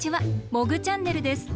「モグチャンネル」です。